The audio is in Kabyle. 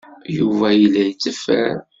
Yuba yella yetteffer.